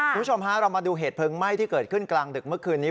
คุณผู้ชมฮะเรามาดูเหตุเพลิงไหม้ที่เกิดขึ้นกลางดึกเมื่อคืนนี้